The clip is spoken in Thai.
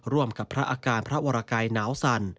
ร่วมกับพระอาการพระวรกัยหนาวสั่น